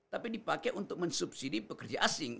tapi dipakai untuk mensubsidi pekerja asing